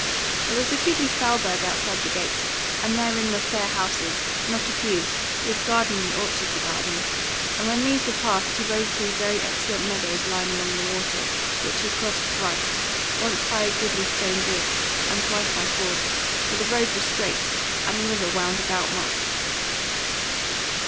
There was a goodly fauburg outside the gate, and therein were fair houses, not a few, with gardens and orchards about them; and when these were past he rode through very excellent meadows lying along the water, which he crossed thrice, once by a goodly stone bridge and twice by fords; for the road was straight, and the river wound about much.